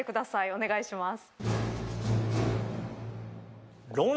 お願いします。